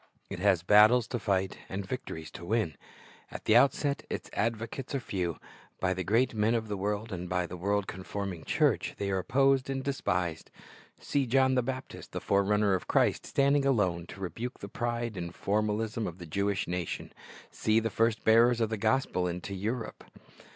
It has battles to fight and victories to win. At the outset its advocates are few. By the great men of the world and by a world conforming church, they are opposed and despised. See John the Baptist, the forerunner of Christ, standing alone to rebuke the pride and formalism of the Jewish nation. See the first bearers of the gospel into Europe.